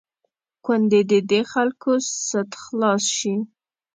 کوندي د دې خلکو سد خلاص شي.